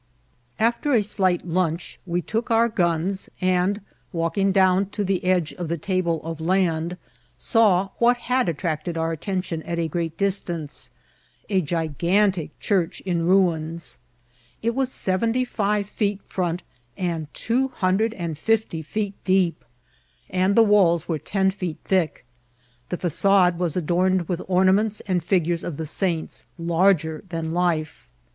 Alter a slight hmch we took our guns, and, walking down to the edge of the table of land, saw, what had attracted our attention at a great distance, a gigantic cliaroh in ruins. It was seventy five feet firont and two Vol. I.— K 7 74 IMCIDEMTSOFTmATBL. hundred and fifty feet deep, and the walls were ten feet thick. The facade was adorned with ornaments and figures of the saints, larger than life.